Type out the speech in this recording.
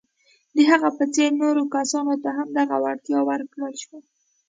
د هغه په څېر نورو کسانو ته هم دغه وړتیا ورکول شوه.